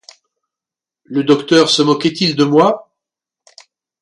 Le docteur se moquait-il de moi ?